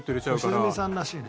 良純さんらしいね。